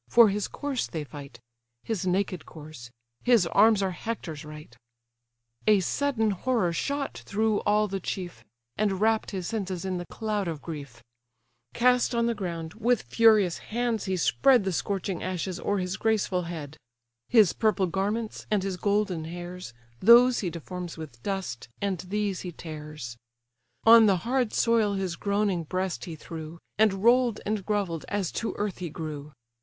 For his corse they fight; His naked corse: his arms are Hector's right." A sudden horror shot through all the chief, And wrapp'd his senses in the cloud of grief; Cast on the ground, with furious hands he spread The scorching ashes o'er his graceful head; His purple garments, and his golden hairs, Those he deforms with dust, and these he tears; On the hard soil his groaning breast he threw, And roll'd and grovell'd, as to earth he grew.